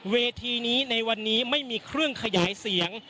เวทีนี้ในวันนี้ไม่มีเครื่องขยายเสียง